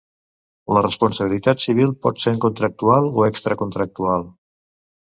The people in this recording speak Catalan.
La responsabilitat civil pot ser contractual o extracontractual.